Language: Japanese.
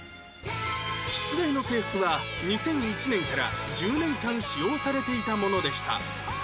出題の制服は２００１年から１０年間使用されていたものでした